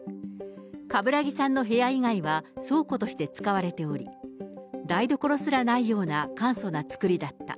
冠木さんの部屋以外は倉庫として使われており、台所すらないような簡素な作りだった。